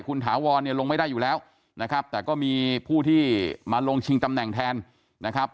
คุณถาวรเนี่ยลงไม่ได้อยู่แล้วนะครับแต่ก็มีผู้ที่มาลงชิงตำแหน่งแทนนะครับ